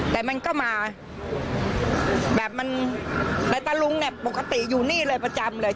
แต่มันก็มาแบบมันในตะลุงเนี่ยปกติอยู่นี่เลยประจำเลย